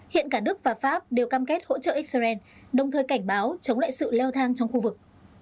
hiện cả đức và pháp đều cam kết hỗ trợ israel đồng thời cảnh báo chống lại sự leo thang trong khu vực